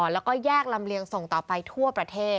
แล้วก็แยกลำเลียงส่งต่อไปทั่วประเทศ